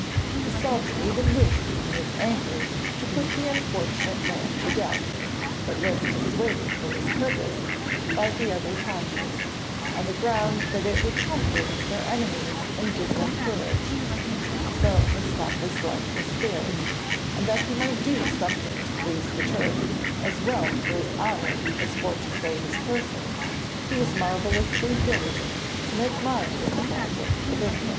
The Sultan even wished in his anger to put the unfortunate man to death, but was dissuaded from his purpose by the other pashas, on the ground that 'it would comfort their enemies and give them courage.' So Mustafa's life was spared, and 'that he might do something to please the Turk, as well for his honour as for to save his person, he was marvellously diligent to make mines at the bulwark of England.'